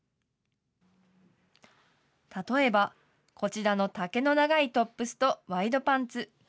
例えば、こちらの丈の長いトップスとワイドパンツ。